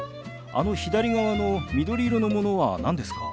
あの左側の緑色のものは何ですか？